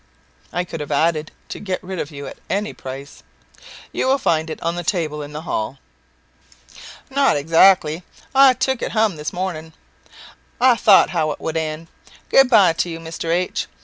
(I could have added, to get rid of you at any price.) "You will find it on the table in the hall." "Not exactly; I took it hum this morning I thought how it would end. Good bye to you, Mr. H